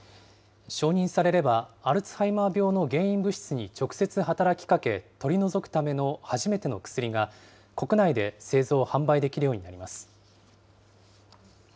承認されれば、アルツハイマー病の原因物質に直接働きかけ、取り除くための初めての薬が国内で製造・販売できるようになります。